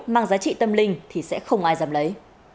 mang giá trị tâm linh thì sẽ không ai dám lấy